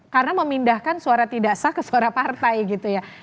karena memindahkan suara tidak sah ke suara partai gitu ya